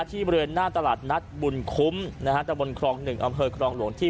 บริเวณหน้าตลาดนัดบุญคุ้มนะฮะตะบนครองหนึ่งอำเภอครองหลวงที่